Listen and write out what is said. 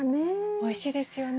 おいしいですよね。